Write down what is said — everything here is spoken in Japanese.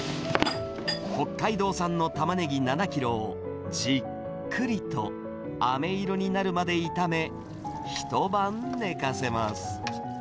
北海道産のタマネギ７キロを、じっくりとあめ色になるまで炒め、一晩寝かせます。